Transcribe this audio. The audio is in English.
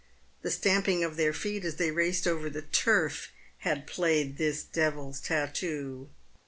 The stamping of their feet as they raced over the turf had played this devil's tattoo.